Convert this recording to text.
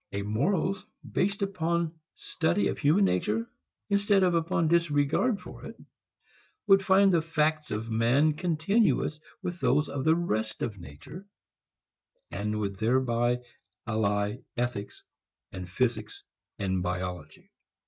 A morals based on study of human nature instead of upon disregard for it would find the facts of man continuous with those of the rest of nature and would thereby ally ethics with physics and biology.